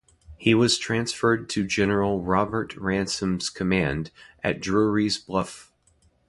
He was transferred to General Robert Ransom's command at Drewry's Bluff.